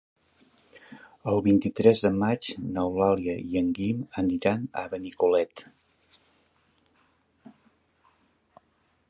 El vint-i-tres de maig n'Eulàlia i en Guim aniran a Benicolet.